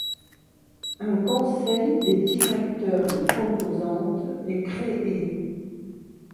Un conseil des directeurs de composantes est créé.